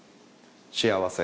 「幸せ」